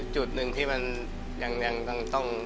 จุดหนึ่งที่มันยังต้อง